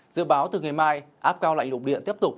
dự báo từ ngày mai áp cao lạnh lục địa tiếp tục